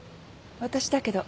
私だけど。